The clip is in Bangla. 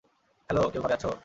হ্যালো, কেউ ঘরে আছো?